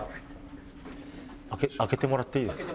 開けてもらっていいですか？